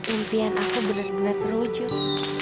impian aku benar benar terwujud